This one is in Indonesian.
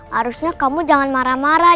harusnya kamu jangan marah marah